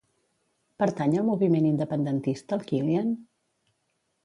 Pertany al moviment independentista el Kilian?